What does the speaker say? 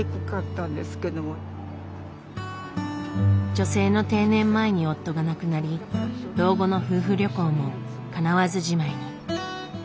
女性の定年前に夫が亡くなり老後の夫婦旅行もかなわずじまいに。